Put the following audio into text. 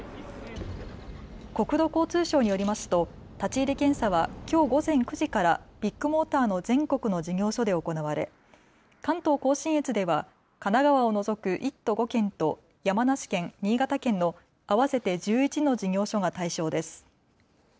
国土交通省によりますと立ち入り検査はきょう午前９時からビッグモーターの全国の事業所で行われ関東甲信越では神奈川を除く１都５県と山梨県、新潟県の合わせて１１の事業所が対象です。